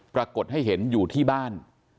ปรากฏให้เห็นอยู่ที่บ้าน